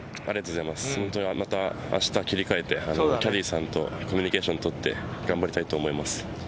明日、また切り替えてキャディーさんとコミュニケーションとって頑張りたいと思います。